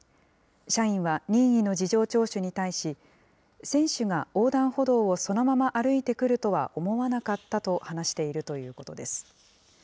社員は任意の事情聴取に対し、選手が横断歩道をそのまま歩いてくるとは思わなかったと話しているということです。